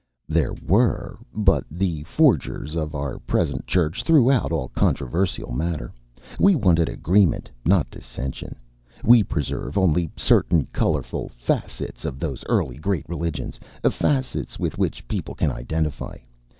"There were. But the forgers of our present Church threw out all controversial matter. We wanted agreement, not dissension. We preserve only certain colorful facets of those early great religions; facets with which people can identify.